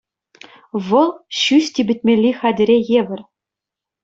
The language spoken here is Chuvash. Вӑл ҫӳҫ типӗтмелли хатӗре евӗр.